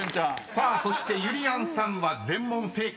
［さあそしてゆりやんさんは全問正解。